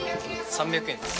・３００円です。